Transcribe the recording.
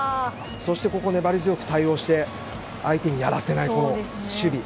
粘り強く対応して相手にやらせない守備。